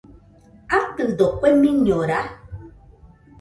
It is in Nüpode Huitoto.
¿Atɨdo kue miñora?